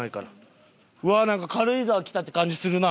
うわーなんか軽井沢来たって感じするなあ。